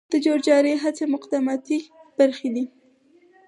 د جور جارې هڅې مقدماتي برخي دي.